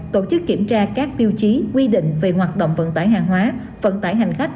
tổ chức kiểm tra các tiêu chí quy định về hoạt động vận tải hàng hóa vận tải hành khách